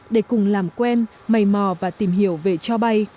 để cùng làm quen mầy mò và tìm hiểu về cho bay